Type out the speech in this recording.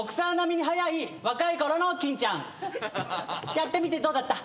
やってみてどうだった？